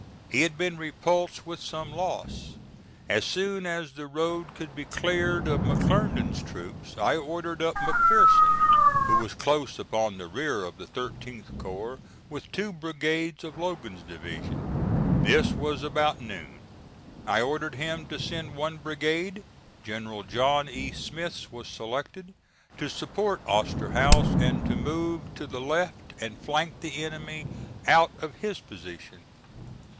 He had been repulsed with some loss. As soon as the road could be cleared of McClernand's troops I ordered up McPherson, who was close upon the rear of the 13th corps, with two brigades of Logan's division. This was about noon. I ordered him to send one brigade (General John E. Smith's was selected) to support Osterhaus, and to move to the left and flank the enemy out of his position.